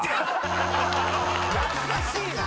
懐かしいな！